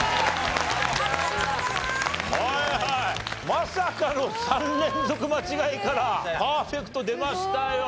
まさかの３連続間違いからパーフェクト出ましたよ！